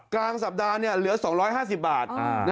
กลางสัปดาห์เหลือ๒๕๐บาท